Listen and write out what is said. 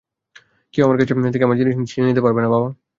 কেউ আমার কাছ থেকে আমার জিনিস ছিনিয়ে নিতে পারবে না, বাবা।